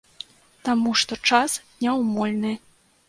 Таму што час няўмольны.